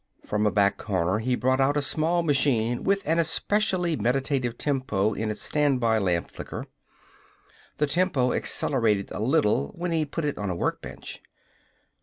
From a back corner he brought out a small machine with an especially meditative tempo in its standby lamp flicker. The tempo accelerated a little when he put it on a work bench.